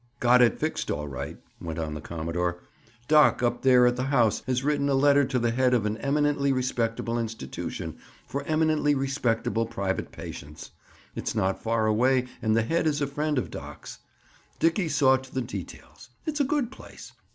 "Got it fixed all right," went on the commodore. "Doc, up there at the house, has written a letter to the head of an eminently respectable institution, for eminently respectable private patients. It's not far away and the head is a friend of Doc's. Dickie saw to the details. It's a good place.